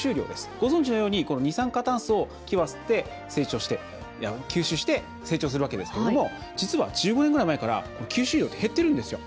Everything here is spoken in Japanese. ご存じのように二酸化炭素を木は吸収して成長するわけですけれども実は１５年ぐらい前から吸収量って減ってるんですよ。